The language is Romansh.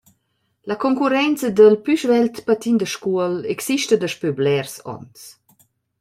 La concurrenza dal «plü svelt patin da Scuol» exista daspö blers ons.